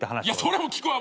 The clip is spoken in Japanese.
それも聞くわ。